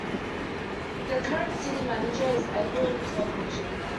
The current city manager is Edward Klobucher.